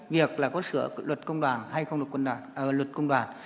việc là có sửa luật công đoàn hay không luật công đoàn